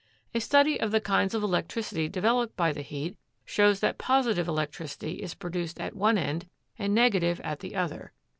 A study of the kinds of electricity developed by the heat shows that positive electricity is produced at one end and negative at the other.